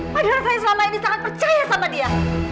padahal saya selama ini sangat percaya sama dia